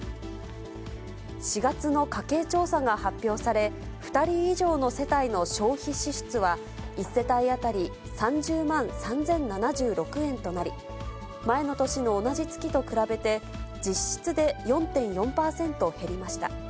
４月の家計調査が発表され、２人以上の世帯の消費支出は、１世帯当たり３０万３０７６円となり、前の年の同じ月と比べて、実質で４．４％減りました。